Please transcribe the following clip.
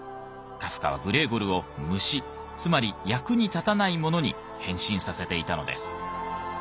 カフカはグレーゴルを「虫」つまり「役に立たないもの」に変身させていたのです。